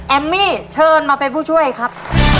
มี่เชิญมาเป็นผู้ช่วยครับ